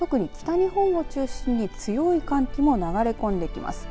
特に北日本を中心に強い寒気も流れ込んできます。